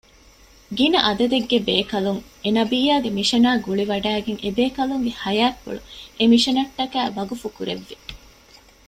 ގިނަ ޢަދަދެއްގެ ބޭކަލުން އެނަބިއްޔާގެ މިޝަނާ ގުޅިވަޑައިގެން އެބޭކަލުންގެ ޙަޔާތްޕުޅު އެމިޝަނަށްޓަކައި ވަޤުފު ކުރެއްވި